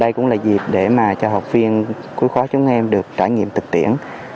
đây cũng là dịp để cho học viên cuối khóa chúng em được trải nghiệm thực tiễn